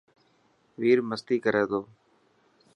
وير مستي ڪر ٿو.